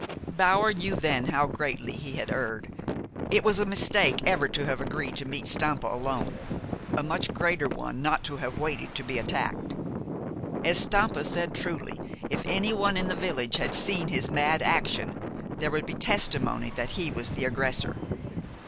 Bower knew then how greatly he had erred. It was a mistake ever to have agreed to meet Stampa alone a much greater one not to have waited to be attacked. As Stampa said truly, if anyone in the village had seen his mad action, there would be testimony that he was the aggressor.